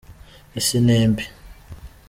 Isi nimbi.